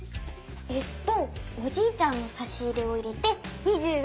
えっとおじいちゃんのさしいれを入れて２５本になったよ。